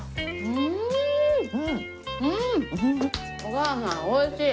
うん！